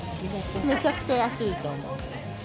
めちゃくちゃ安いと思う。